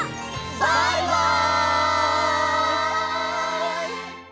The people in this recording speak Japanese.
バイバイ！